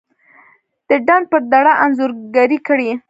دډنډ پر دړه انځورګري کړي